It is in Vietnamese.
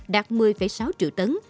đạt một mươi sáu triệu tấn